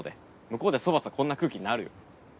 向こうでそばっつったらこんな空気になるよ。